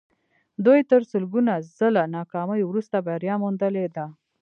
دوی تر سلګونه ځله ناکامیو وروسته بریا موندلې ده